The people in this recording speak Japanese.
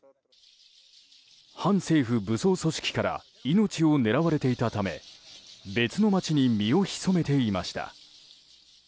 反政府武装組織から命を狙われていたため別の街に身を潜めていました。